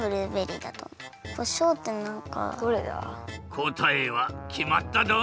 こたえはきまったドン？